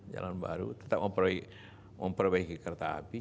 jalan baru tetap memperbaiki kereta api